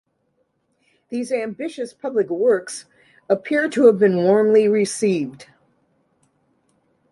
These ambitious public works appear to have been warmly received.